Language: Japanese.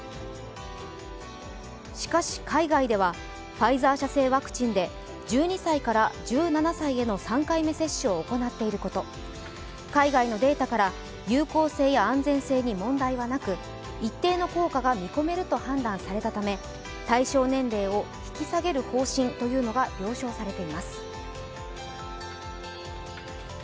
しかし海外では、ファイザー社製ワクチンで１２歳から１７歳への３回目接種を行っていること、海外のデータから有効性や安全性に問題はなく一定の効果が見込めると判断されたため対象年齢を引き下げる方針というのが了承されています。